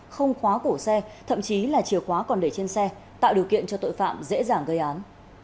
không khóa cổ xe thậm chí là chìa khóa còn để trên xe tạo điều kiện cho tội phạm dễ dàng gây án